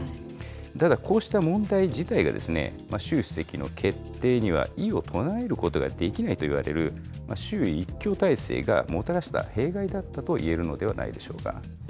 ただ、こうした問題自体が、習主席の決定には異を唱えることができないといわれる、習一強体制がもたらした弊害だったといえるのではないでしょうか。